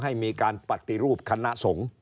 ให้มีการปฏิรูปคณะสงฆ์